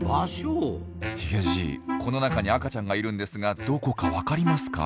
ヒゲじいこの中に赤ちゃんがいるんですがどこか分かりますか？